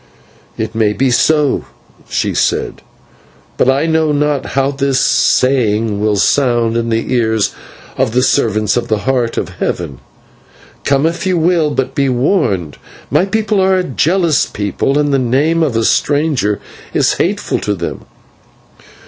"It may be so," she said, "but I know not how this saying will sound in the ears of the servants of the Heart of Heaven. Come if you will, but be warned; my people are a jealous people, and the name of a stranger is hateful to them.